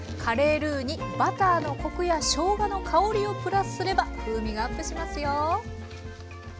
カレールーにバターのコクやしょうがの香りをプラスすれば風味がアップしますよ。